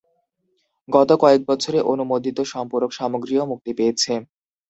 গত কয়েক বছরে অনুমোদিত সম্পূরক সামগ্রীও মুক্তি পেয়েছে।